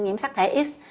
nhiễm sắc thể x